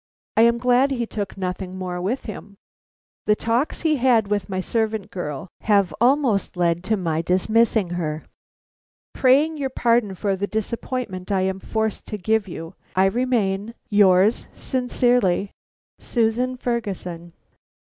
I am glad he took nothing more with him. The talks he had with my servant girl have almost led to my dismissing her. "Praying your pardon for the disappointment I am forced to give you, I remain, "Yours sincerely, "SUSAN FERGUSON."